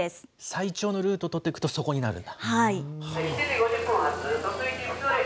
最長のルートを取っていくとそこになる。